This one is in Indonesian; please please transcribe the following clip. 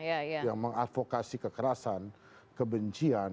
ada juga narasi kekerasan kebencian